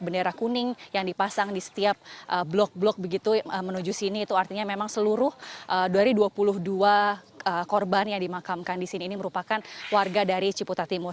bendera kuning yang dipasang di setiap blok blok begitu menuju sini itu artinya memang seluruh dari dua puluh dua korban yang dimakamkan di sini ini merupakan warga dari ciputa timur